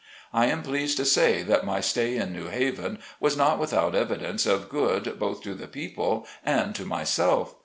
I am pleased to say that my stay in New Haven was not without evidence of good both to the people and to myself.